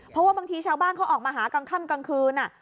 เพราะว่าบางทีชาวบ้านเขาออกมาหากลางค่ำกลางคืน